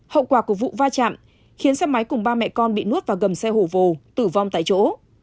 hậu quả của vụ va chạm khiến xe máy cùng ba mẹ con bị nuốt vào gầm xe hồ vô tử vong tại chỗ